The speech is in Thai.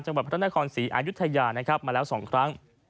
จังหวัดพระนครศรีอายุทยานะครับมาแล้ว๒ครั้ง